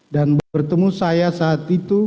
dan bertemu saya saat itu